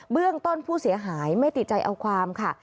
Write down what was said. เรื่องต้นผู้เสียหายไม่ติดใจเอาความค่ะ